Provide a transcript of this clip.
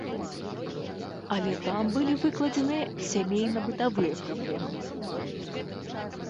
Але там былі выкладзеныя сямейна-бытавыя праблемы.